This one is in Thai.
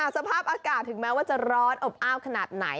สภาพอากาศถึงแม้ว่าจะร้อนอบอ้าวขนาดไหน